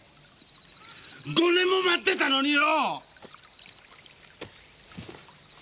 ５年も待ってたのによ！